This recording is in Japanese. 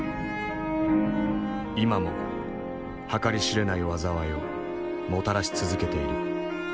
今も計り知れない災いをもたらし続けている。